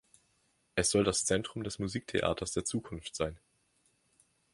Es soll das Zentrum des Musiktheaters der Zukunft sein.